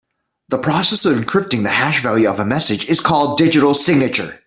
The process of encrypting the hash value of a message is called digital signature.